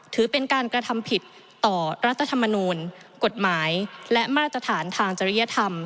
ถือเป็นการกระทำผิดต่อรัฐธรรมนูลกฎหมายและมาตรฐานทางจริยธรรม